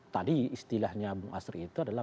tadi istilahnya bung asri itu adalah